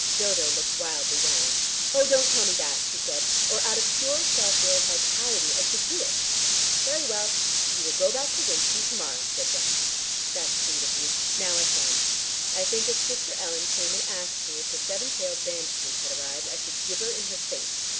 Dodo looked wildly round. "Oh, don't tell me that!" she said, "or out of pure self willed vitality I should do it." "Very well; you will go back to Winston to morrow," said Jack. "That's sweet of you; now I shan't. I think if Sister Ellen came and asked me if the seven tailed bandages had arrived, I should gibber in her face.